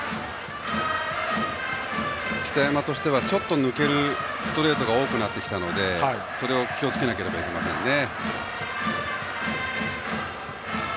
北山としてはちょっと抜けるストレートが多くなってきたのでそれを気をつけなければいけませんね。